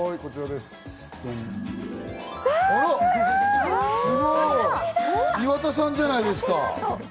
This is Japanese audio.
すごい！岩田さんじゃないですか。